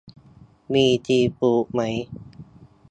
มีซีฟู้ดไหม